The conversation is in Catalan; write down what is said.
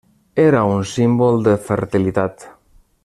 Era un símbol de fertilitat.